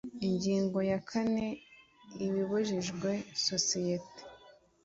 Ingingo ya kane Ibibujijwe isosiyete